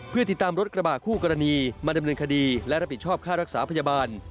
เพื่อติดตามรถกระบะคู่กรณีมาดำเนินคดีและรับผิดชอบค่ารักษาพยาบาล